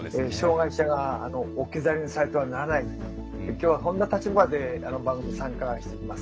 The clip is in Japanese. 今日はこんな立場で番組に参加しています。